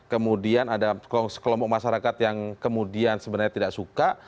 kemudian ada kelompok masyarakat yang kemudian sebenarnya tidak suka